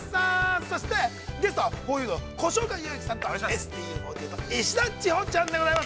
そして、ゲストは、ふぉゆの越岡裕貴さんとＳＴＵ４８石田千穂ちゃんでございます。